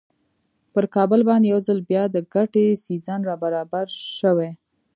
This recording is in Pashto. پر کابل باندې یو ځل بیا د ګټې سیزن را برابر شوی.